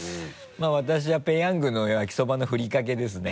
まぁ私はペヤングのやきそばのふりかけですね。